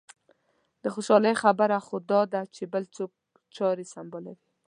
د خوشالۍ خبره خو دا ده چې بل څوک چارې سنبالوي.